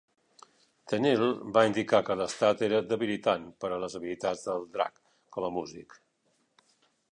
Tennille va indicar que l'estat era debilitant per a les habilitats del Drac com a músic.